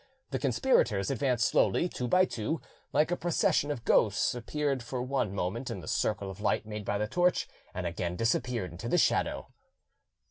The conspirators advanced slowly, two by two, like a procession of ghosts, appeared for one moment in the circle of light made by the torch, and again disappeared into shadow.